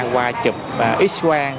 qua chụp x ray